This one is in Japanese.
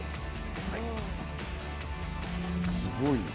すごいね。